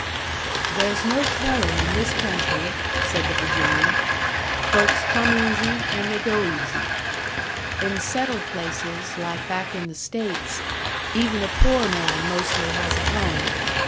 "There's no tellin' in this country," said the Virginian. "Folks come easy, and they go easy. In settled places, like back in the States, even a poor man mostly has a home.